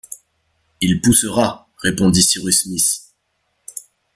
Il poussera, » répondit Cyrus Smith.